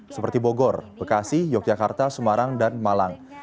seperti bogor bekasi yogyakarta semarang dan malang